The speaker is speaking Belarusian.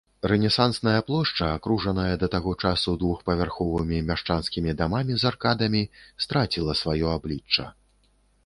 Рэнесансная плошча, акружаная да таго часу двухпавярховымі мяшчанскімі дамамі з аркадамі, страціла сваё аблічча.